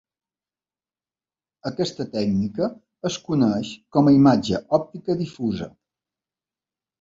Aquesta tècnica es coneix com a imatge òptica difusa.